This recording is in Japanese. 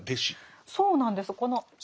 そうなんです。